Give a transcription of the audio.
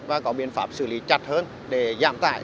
và có biện pháp xử lý chặt hơn để giảm tải